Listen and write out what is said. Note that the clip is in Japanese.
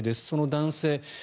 その男性